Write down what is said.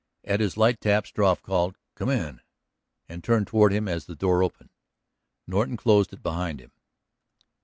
At his light tap Struve called, "Come in," and turned toward him as the door opened. Norton closed it behind him.